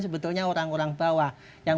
sebetulnya orang orang bawah yang